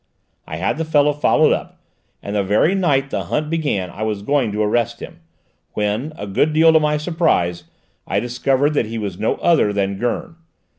I had the fellow followed up, and the very night the hunt began I was going to arrest him, when, a good deal to my surprise, I discovered that he was no other than Gurn.